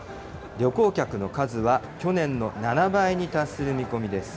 旅行客の数は去年の７倍に達する見込みです。